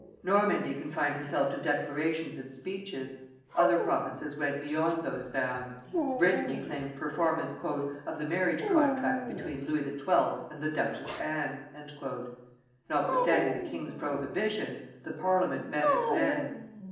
Normandy confined herself to declarations and speeches; other provinces went beyond those bounds: Brittany claimed performance "of the marriage contract between Louis XII. and the Duchess Anne." Notwithstanding the king's prohibition, the Parliament met at Rennes.